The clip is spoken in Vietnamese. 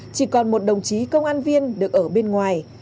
chỉ còn một đồng chí công an viên được ở bên ngoài